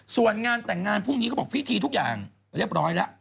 ส่วนงานแต่งงานพรุ่งนี้เขาบอกพิธีทุกอย่างเรียบร้อยแล้ว